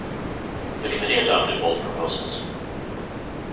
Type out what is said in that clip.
The committee adopted both proposals.